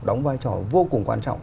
đóng vai trò vô cùng quan trọng